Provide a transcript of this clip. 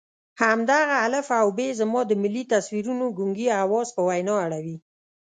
همدغه الف او ب زما د ملي تصویرونو ګونګي حواس په وینا اړوي.